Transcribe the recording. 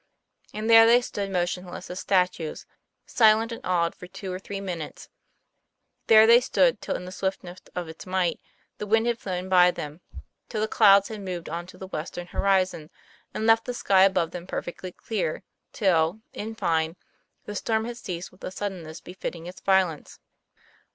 And there they stood motionless as statues, silent and awed for two or three minutes; there they stood till in the swiftness of its might the wind had flown by them, till the clouds had moved on to the western horizon, and left the sky above them perfectly clear, till, in fine, the storm had ceased with a suddenness befitting its violence.